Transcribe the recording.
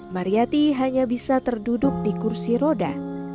mariyati hanya bisa terduduk di kursi roda